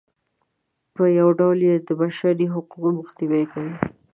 په یوه ډول یې د بشري حق مخنیوی کوي.